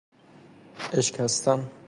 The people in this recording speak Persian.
اشکستن